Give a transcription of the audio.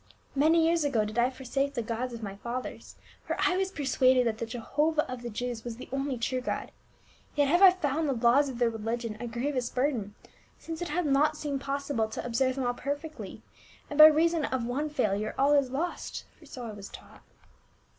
Many years ago did I forsake the gods of my fathers, for I was persuaded that the Jehovah of the Jews was the only true God. Yet have I found the laws of their religion a grievous burden, since it hath .seemed not possible to observe them all perfectly, and by reason of one fciilurc all is lost — for so I was taught."